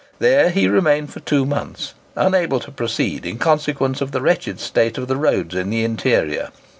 There he remained for two months, unable to proceed in consequence of the wretched state of the roads in the interior.